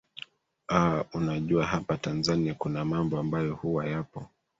aa unajua hapa tanzania kuna mambo ambayo huwa yapo